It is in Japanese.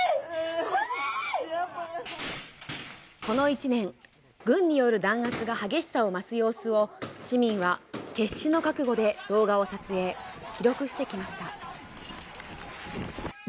この１年、軍による弾圧が激しさを増す様子を市民は、決死の覚悟で動画を撮影・記録してきました。